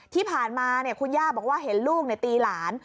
ที่ผ่านมาคุณย่าบอกว่าเห็นลูกตีหลาน